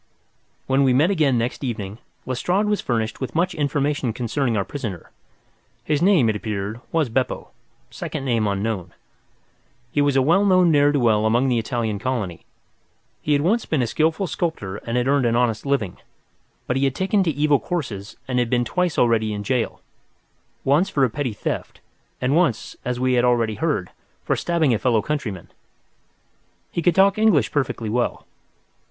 When we met again next evening, Lestrade was furnished with much information concerning our prisoner. His name, it appeared, was Beppo, second name unknown. He was a well known ne'er do well among the Italian colony. He had once been a skilful sculptor and had earned an honest living, but he had taken to evil courses and had twice already been in jail—once for a petty theft, and once, as we had already heard, for stabbing a fellow countryman. He could talk English perfectly well.